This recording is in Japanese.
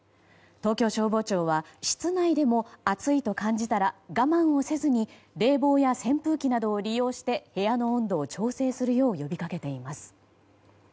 東京消防庁は室内でも暑いと感じたら我慢をせずに冷房や扇風機などを利用して部屋の温度を調整するよう呼びかけています。